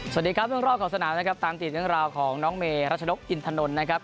สวัสดีครับเรื่องรอบขอบสนามนะครับตามติดเรื่องราวของน้องเมรัชนกอินทนนท์นะครับ